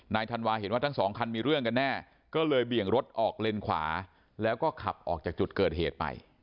ธันวาเห็นว่าทั้งสองคันมีเรื่องกันแน่ก็เลยเบี่ยงรถออกเลนขวาแล้วก็ขับออกจากจุดเกิดเหตุไป